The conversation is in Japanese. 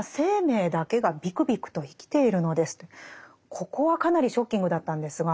ここはかなりショッキングだったんですが。